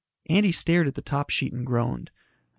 Andy stared at the top sheet and groaned.